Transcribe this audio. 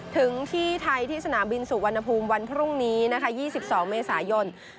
ถึงที่ไทยที่สนามบินสุวรรณภูมิวันพรุ่งนี้นะคะ๒๒เมษายน